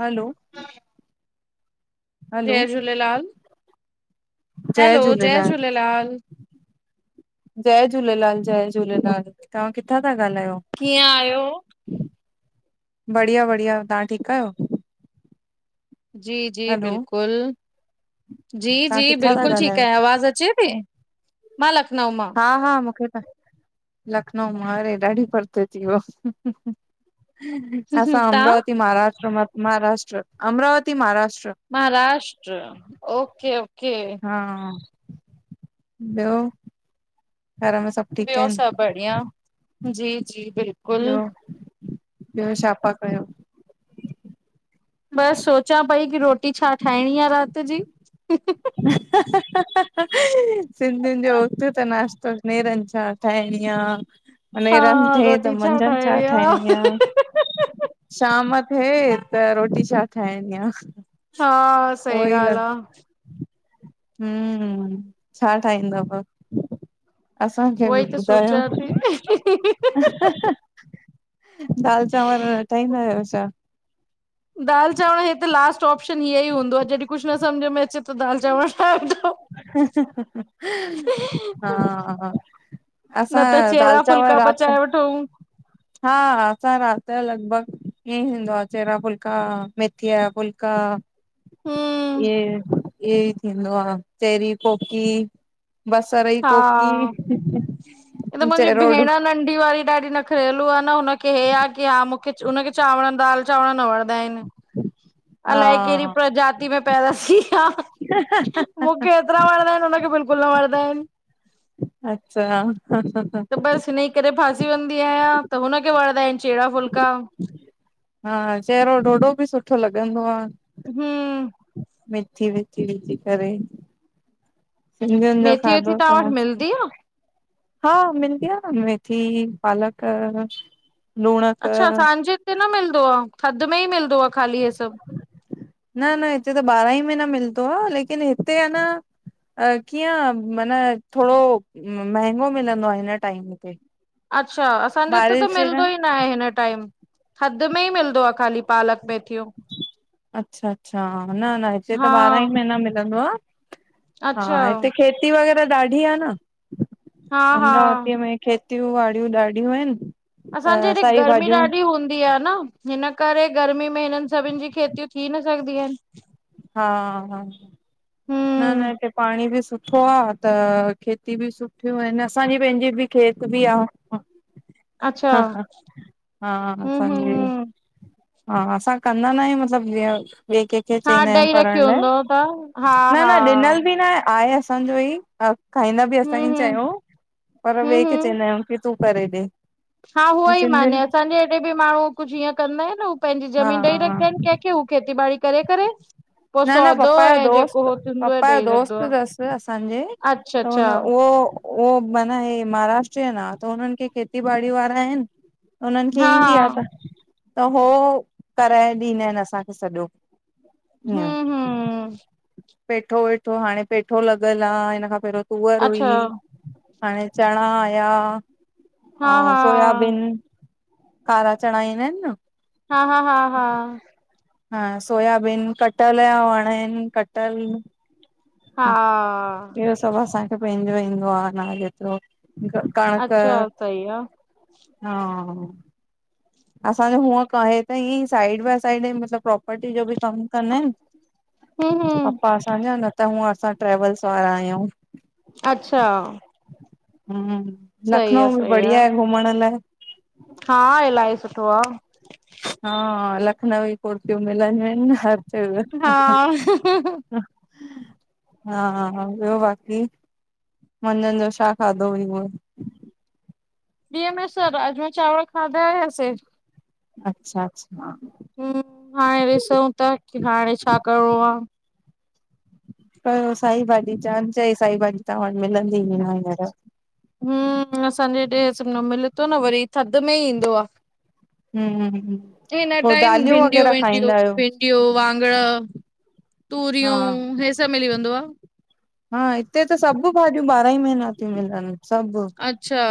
हलो hello जय Jhulelal, hello जय झूलेलाल। जय झूलेलाल- जय झूलेलाल तव्हां किथां था ॻाल्हायो? कीअं आहियो? बढ़िया- बढ़िया तव्हां ठीकु आहियो? जी जी हलो बिल्कुलु, जी तव्हां जी किथां था बिल्कुलु ठीकु ॻाल्हायो आहे आवाज़ु अचे मां लखनऊ मां हा हा मूंखे त, लखनऊ मां अरे ॾाढी परते थी वियो। असां तव्हां? अमरावती महाराष्ट्र म महाराष्ट्र अमरावती महाराष्ट्र। महाराष्ट्र ओके ओके हा ॿियो [unintelligible] घर में सभु ठीकु ॿियो आहिनि सभु बढ़िया, जी जी बिल्कुलु। ॿियो, ॿियो छा पा कयो? बसि सोचां पई कि रोटी छा ठाहिणी आहे? राति जी। ह ह [unintelligible] सिंधियुनि जो उथु त नाश्तो, नेरनि छा ठाहिणी आह? नेरनि हा थिए त रोटी मंझंदि छा आ, ठाहिणी आह? शाम थिए त रोटी छा ठाहिणी आह? हा सही ॻाल्हि आह। हम् छा ठाहींदव? असांखे बि उहोई त ॿुधायो। [unintelligible] दाल चांवर न ठाहींदा आहियो छा? दाल चांवर हे त लास्ट ऑप्शन हीअं ई हूंदो आहे जॾहिं कुझु न सम्झ में अचे त दाल चांवल ठहंदो हा न त असां दाल चहिरा चांवर फुल्का राति पचाए वठो हा हा असां राति जो लॻभॻ ईअं ई हूंदो आहे चहिरा फुल्का, मेथीअ जा फुल्का। हम्म ईहोई ईयोई थींदो आह, चहिरी कोकी। बसर जी हा कोकी हे त मुंहिंजी चहिरो डो भेण नंढी वारी ॾाढी नखरेलू आहे न हुनखे हे आह की हा मूंखे हुनखे उनखे चांवरनि दाल चांवर न वणंदाइन, हा अलाए केड़ी प्रजाति में पैदा थी। हा, मूंखे एतरा वणदाइन, उनखे बिल्कुल न वणदाइन। अच्छा बस हिनई करे फासी वंदी आहयां, त हुनखे वणंदा आहिन चेड़ा फुलका। हा हा, चहिरो ॾोढो बि सुठो लॻंदो आ। हूं मेथी वेथी, विझी करे। सिंधियुन जो मेथी वेथी खाधो तव्हां त वटि मस्त। मिलदी आ हा, मिलदी आ न, मेथी, पालक लूणक अच्छा, असांजे हिते न मिलदो आ, थधि में ई मिलदो आ, ख़ाली हे सभ। न न, हिते त ॿारहां ई महींना मिलदो आ, लेकिन हिते आ न अ कीअं, मन थोड़ो मंहिंगो मिलंदो आ, हिन टाइम ते। अच्छा, असांजेे इते त बारिश जे मिलंदो टाइम ई नाहे हिन टाइम, थध में ई मिलदो आ, खाली पालक, मेथी अच्छा अच्छा, न न हिते त, हा ॿारहां ई महीना मिलंदो आ। हा, अच्छा हिते खेती वगैरा ॾाढी आ न, हा हा अमरावतीअ में। खेतयूं वाड़यूं ॾाढियूं अहिन। असांजे हेॾे गर्मी ॾाढी हूंदी आ न। हिन करे गर्मी में, हिनन सभिन जी खेत्यूं थी न सघदी एन। हा हा न न, हम्म हिते पाणी बि सुठो आ, त खेती बि सुठयूं एन, असांजी पैंजी बि खेत बि आ। अच्छा हा, हम्म असांजे हम्म हा, असां कंदा नाहयूं, मतलब ॿे के हा, ॾई रखियो हूंदो तां। न न, ॾिनल बि नाहे, आहे असांजो ई, खाईंदा बि हम्म हम्म असांईंयूं शयूं। पर ॿे हम्म खे हम्म चेंदायूं, की तूं करे ॾे। हा ऐं हूओई मानें, सिंधियुनि असांजे हेॾे बि माण्हू कुछ हींअं कंदाइन न पैंजी हा ज़मीन ॾेई हा रखंदाइन कैंखे, हू खेती ॿाड़ी करे करे पो न न, सौदो पप्पा जो ऐं जेको दोस्त, हो थींदो आहे पप्पा जो ॾेई रखंदो दोस्त आहे। तस असांजे। अच्छा त उन अच्छा उहो ओ, माना हे महाराष्ट्रियन आ, त उननि खे खेती ॿाड़ी वारा आहिन। उननि खे हा हा ईंदी आ त, त हो कराए ॾींदा आहिनि असांखे सॼो। हूं ईअं हूं पेठो वेठो हाणे पेठो लॻल आ, हिन खां पहिरौं तूअर अच्छा हुई। हाणे चणा आया, हा औं हा सोयाबिन। कारा चणा ईंदा आहिन न। हा हा हा हा हा, सोयाबिन कटहल जा वण इन, कटहल हा सभ असांखे पैंजो ईंदो आ, न जेतरो कणक अच्छा सही आ हा असांजो हूअं कां, हे त ईंअईं साइड बाई साइड मतलब प्रोपर्टी जो बि कम कंदा आहिन। हूं हूं पप्पा असांजा, न त हूंअं असां ट्रेवल्स वारा आहियूं। अच्छा हम्म सही आ लखनऊ बि सही आ बढ़िया आहे घुमण लाए। हा, इलाही सुठो आ। हा लखनवी कुर्तियूं मिलंदियूं आहिन हर हा जगह। हा हा हा, ॿियो बाक़ी! मंझंदि जो छा खाधो हुई? डिहँ जो त राजमा चावल खाधा हुयासे। अच्छा अच्छा! हम्म, हाणे ॾिसांउ था कि हाणे छा करणो आ। साई भाॼी चांयन, चंयाई साई भाॼी तां वटि मिलंदी ई न हिंञर। हम्म असांजे हेॾे न मिले थो न वरी, थधि में इ ईंदो आ। हम्म हिन पोइ टाइम दालियूं भिंडियूं वग़ैरह विंडियूं खाईंदा आहियो? भिय ॿियो, वाॻण, हा तूरियूं हियो सब मिली वेंदो आ। हा हिते त सभु भाॼियूं ॿारहां ई महीना थियूं मिलनि। सभु। अच्छा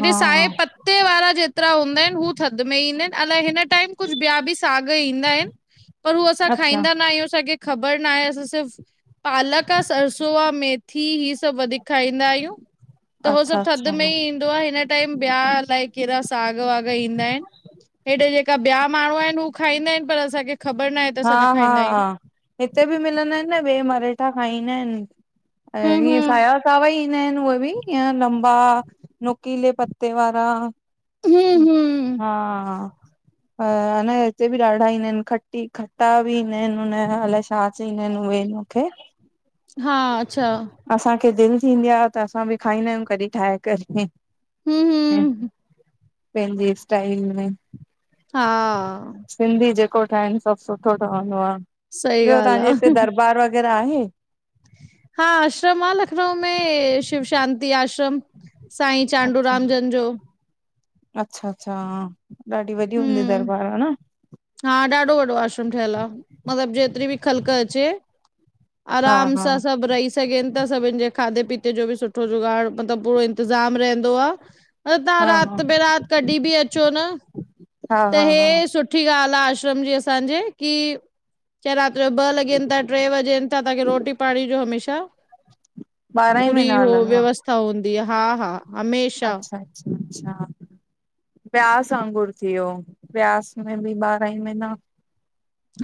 हा साहे पत् ते वारा जेतिरा हूंदा आहिन हू थधि में ईंदा आहिन, अलाए हिन टाइम कुझु ॿिया बि साॻ ईंदा आहिन। पर हू असां अच्छा खाईंदा न आहियूं, असांखे खबर न आहे, असां सिर्फ पालक, सरसो आ मेथी हीअ सभु वधीक खाईंदा आहियूं। त हो अच्छा सभु अच्छा थधि में ई ईंदो आ, हिन टाइम ॿिया अलाए केड़ा साॻ वाॻ ईंदा आहिन। हेॾे जेका ॿिया माण्हू आहिनि हू खाईंदा आहिनि पर असांखे खबर न आए हा हा हिते बि मिलंदा आहिनि न ॿिए मरेठा खाईंदा आहिन। हूं ऐं ईअं हूं साया सावा ई ईंदा आहिन उहे बि ईअं लंबा नुकीले पत्ते वारा, हूं हूं हा। ह अ न हिते बि ॾाढा इन्दा आहिन, खट टी खट्टा बि ईंदा आहिन हुनय अलाए छा चईंदा आहिन उए ईन खे हा अच्छा! असांखे दिल थींदी आ त असां बि खाईंदा आहियूं कॾहिं ठाहे करे। हूं ह हूं पंहिंजे स्टाइल में। हा। सिंधी जेको ठाहिन सभु सुठो ठहंदो आ। सही ॿियो ॻाल्हि तव्हांजे आ हिते दरबारु वग़ैरह आहे? हा आश्रम आ लखनऊ में शिव शांति आश्रम। साईं अच्छा! चांडूराम जन जो अचछा- अच्छा, हां। ॾाढी वॾी हूंदी हूं दरबार ह न? हा ॾाढो वॾो आश्रम ठहियल आ मतलब जेतिरी बि ख़लक अचे हा आराम हा सां सभु रही सघन ता, सभिनि जे खाधे पीते जो बि सुठो जुगाड़ मतलब पूरो इंतिज़ाम रहंदो आ अरे तव्हां हा हा राति बे राति कढी बि अचो न हा त हा हे हा सुठी ॻाल् आ आश्रम जी असांजे कि चाहे रात जो ॿ लगिन था, ट्रे वगिन था तव्हांखे रोटी पाणी जो हमेशा ॿारहां ई पूरी महीना हो हलंदो आहे व्यवस्था हूंदी आ, हा हा। हमेशा अच्छा अच्छा अच्छा अच्छा। ब्यास वांगुर थी वियो, ब्यास में बि ॿारहां ही महीना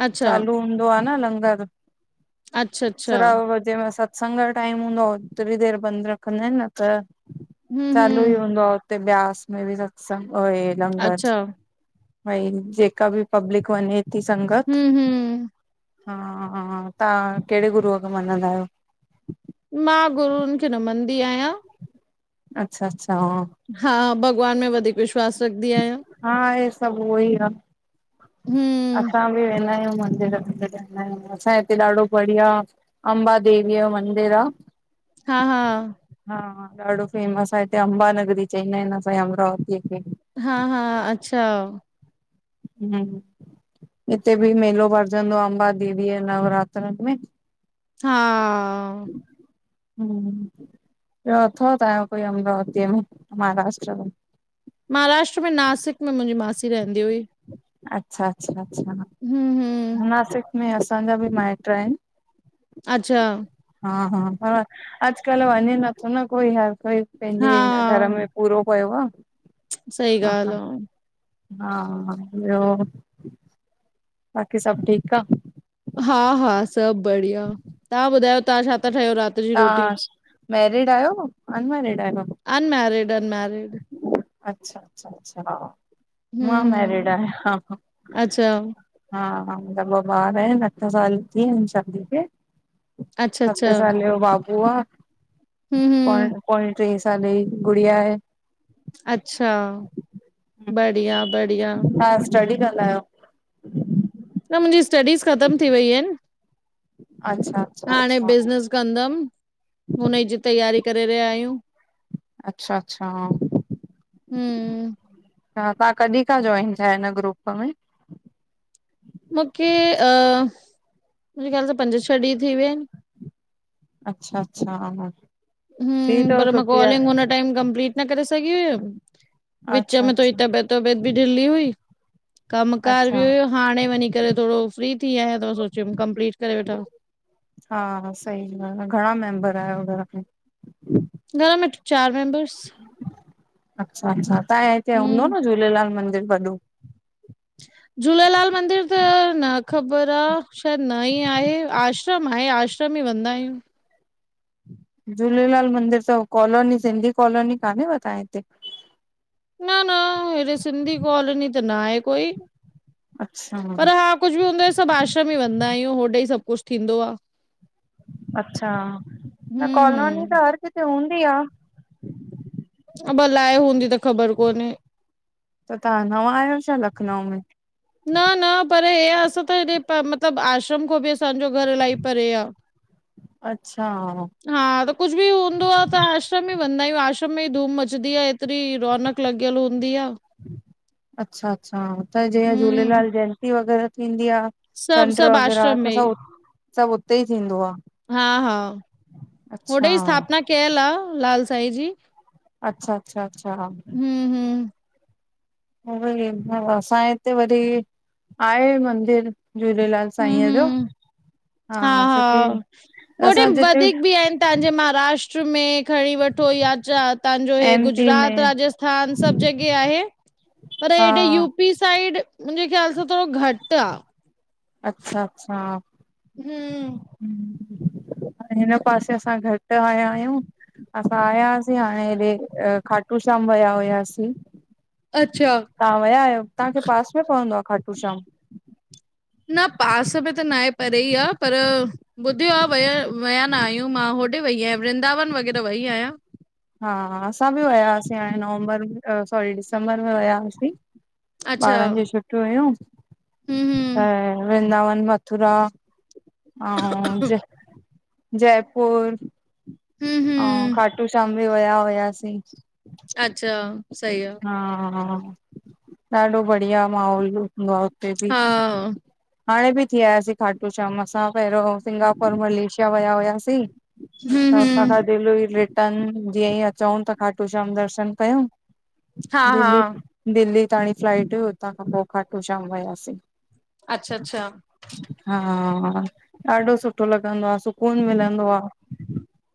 अच्छा चालू हुदो आ न लंगर, अच्छा अच्छा सड्डा जेमल सत्संग यो टाइम हूंदो आ ओतिरी देर बंद रखंदा आहिन, न त हम्म चालू ई हम्म हूंदो आहे हुते ब्यास में बि सत्संग आ हे लंगर। अच्छा भई जेका बि पब्लिक वञे थी संगत। हम्म हम्म हा हा तव्हां कहिड़े गुरूअ खे मञदा आहियो। मां गुरून खे नमंदी आहियां। अच्छा अच्छा हा। हा भॻवान में वधीक विश्वास रखंदी आहियां। हा हे सभु उह ई आहे हम्म असां बि वेंदा आहियूं मंदर वंदर। न न असांजे हिते ॾाढो बढ़िया अम्बा देवीअ यो मंदिर आ। हा हा - - हा ॾाढो फेमस आहे हिते अंबानगरी चईंदा आहिन असांए अमरावतीअ खे - - हा हा अच्छा। न न - - हिते बि मेलो भरजंदो आ अम्बा देवी नवरात्रन में। हा - - हम्म ब्यो अथव तायो कोई अमरवतीअ में महाराष्ट्र में। महाराष्ट्र में नासिक में मुंहिंजी मासी रहंदी हुई। अच्छा अच्छा अच्छा। हम्म ह्म्म। नासिक में असांजा बि माइट्र आहिन। अच्छा। हा हा पर अॼकल्ह वञे नथो न कोई हर कोई पंहिंजे हिन हा घर में। पूरो पयो आ। सही हा हा ॻाल्ह आ। हा ब्यो। बाक़ी सभ ठीक आ। हा हा सभु बढ़िया तव्हां ॿुधायो तव्हां छा था ठाहियो रात - - तव्हां मैरिड आहियो अनमैरिड आहियो। Unmarried unmarried. अच्छा अच्छा अच्छा हा। मा हम्म मैरीड हम्म, आहे। अच्छा, हा हा मुहिंजा ॿ ॿार अठ साल थी आहिन शादी खे - - अच्छा सते अच्छा, साले जो बाबू थियो आहे। हम्म हम्म - - पौणी टे साल जी गुड़िया आहे। अच्छा। बढ़िया बढ़िया, तव्हां स्टडी कंदा आहियो। न स्टडीज़ खतम थी वई अच्छा अच्छा हाणे अच्छा बिजनस। कंदमि हुन जी तयारी करे रहिया आहियूं। अच्छा अच्छा। हम्म - - ह तव्हां कॾहिं खां जॉइन थिया हिन ग्रुप में। मूंखे मुंहिंजे ख़याल त पंज छह ॾींहं थी विया आहिन। अच्छा अच्छा। थी हम अथव पर मा सुठी कॉलिंग आहे हुन टाइम कंपलीट न करे सघी हुयम। विच विच अच्छा में थोई अच्छा तबियत तबियत बि ढिलली हुई। कमकार बि अच्छा हुयो हाणे वञी करे थोरो फ्री थी आहियां त सोचियुम कंपलीट करे वठां। हा सही ॻाल्ह आहे घणा मेंबर आहियो घर में। घर में चार मेंमबर्स। अच्छा अच्छा तव्हांजे हिते हूंदो हम्म न झूलेलाल मंदिर वॾो? [unintelligible] झूलेलाल मंदिर त न ख़बर आह। शायद न ई आहे आश्रम आहे आश्रम त भी वेंदा आहियूं। झूलेलाल मंदिर, त कॉलोनी सिंधी कॉलोनी कान्हे व तव्हां हिते? न न हेॾे सिंधी कॉलोनी त न आहे कोई, अच्छा पर हा कुझु बि हूंदो आह, सभु आश्रम ई वेंदा आहियूं, होॾे ई सभ कुझु थींदो आह। अच्छा न हम्म कॉलोनी हम्म त हर किथे हूंदी आहे। अब लाइ हूंदी त ख़बर कोन्हे। त तव्हां नवां आहियो छा? लखनऊ में न न परे हे असां त हेॾे मतिलबु आश्रम खां बि असांजो घर इलाही परे आह। अच्छा हा त कुझु बि हूंदो आह, त आश्रम ई वेंदा आहियूं। आश्रम में ई धूम मचंदी आह। तरी रौनक लॻियल हूंदी आह। अच्छा अच्छा हुते जीअं हम्म, झूलेलाल जयंती वग़ैरह थींदी आह। सभु चंड्रु सभु वग़ैराह आश्रम में त ई, सभु सभु उते ई थींदो आह। हा हा होॾे स्थापना कयल आह। लाल साई जी। अच्छा अच्छा अच्छा हू हू उहो ई री असांजे हिते वरी आहे मंदिर झूलेलाल हम्म साईंअ जो। हम्म, हा हा छोकी हा। होॾे असां जिते वधीक बि आहिनि तव्हांजे महाराष्ट्र में खणी वठो या जात [unintelligible] तवहांजो हे एम पी गुजरात में, राजस्थान सभु जगह आहे? हा [unintelligible] यू पी साइड मुंहिंजे ख़्याल सां थोरो घटि आह। अच्छा अच्छा हू हू हिन पासे असां घटि आया आहियूं। असां आयासीं हाणे हेॾे खाटू श्याम वया हुआसीं। अच्छा तव्हां विया आहियो? तव्हांखे पास में पवंदो आहे खाटू श्याम? न पास में त नं आहे, परे ईं आहे पर ॿुधियो आह। वया विया नं आहियूं मां होॾे वईं आहियां वृंदावन वॻैरह वईं आहियां। हा असां बि विया हुआसीं हाणें नवंबर में सॉरी दिसंबर में वया हुआसीं। अच्छा ॿारनिं ॼी हम्म छुटियूं हुयूं, हम्म त वृंदावन मथुरा अहु जय जयपुर हम्म अहु हम्म खाटू श्याम बि वया हुयासि। अच्छा सही आहे। हा हा ॾाढो ॿढ़िया माहोल हूंदो आहे हुते ॿि। हा हाणे ॿि थी आयासीं खाटू श्याम असां पहिरियों सिंगापुर मलेशिया विया हुयासीं। त हम्म हुतां खां हम्म दिलु हूई रिटन ॼीअं ई अचूं त खाटू श्याम दर्शन कयूं। हा हा दिल्ली दिल्ली ताणी फ्लाइट हुई हुतां खां, पोह खाटू श्याम वियासीं। अच्छा अच्छा हा ॾाढो सुठो लॻंदो आह, सुकून मिलंदो आह।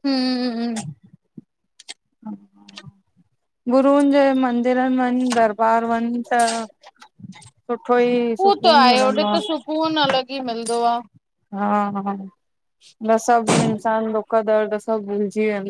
हू [unintelligible] ॻुरूनिं ॼे मन मंदिर वञ, दरबार वञ, त सुठो ई सुकून मिलंदो आहे। सूकून अलॻि ईं मिलंदो आहे हा- हा न सॿु इंसानु दुख -दर्द सॿु भुलिॼी वेंदो।